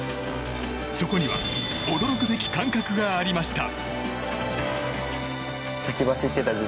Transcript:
そこには驚くべき感覚がありました。